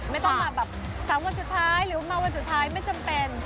ไม่ต้องมาแบบ๓วันสุดท้ายหรือมาวันสุดท้ายไม่จำเป็น